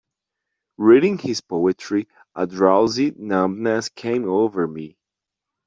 Reading his poetry, a drowsy numbness came over me.